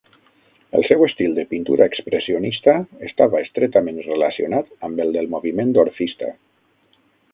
El seu estil de pintura expressionista estava estretament relacionat amb el del moviment orfista.